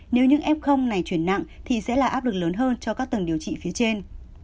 nếu những f này chuyển nặng thì sẽ là áp lực lớn hơn cho các tầng điều trị phía trên